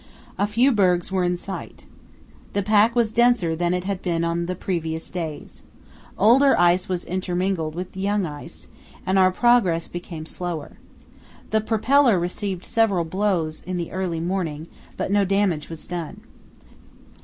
A few bergs were in sight. The pack was denser than it had been on the previous days. Older ice was intermingled with the young ice, and our progress became slower. The propeller received several blows in the early morning, but no damage was done.